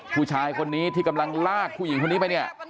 ผู้ชายคนนี้ที่กำลังลากผู้หญิงคนนี้ไปเนี่ย